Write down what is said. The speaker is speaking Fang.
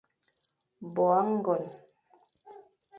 Bo âgon.